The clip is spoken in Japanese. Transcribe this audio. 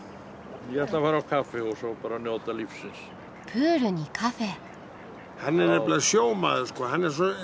プールにカフェ。